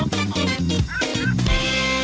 คุณค่ะคุณค่ะ